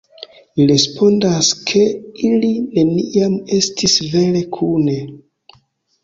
Li respondas ke ili neniam estis vere kune.